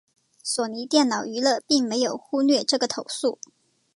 索尼电脑娱乐并没有忽略这个投诉。